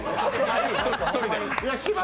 １人で！？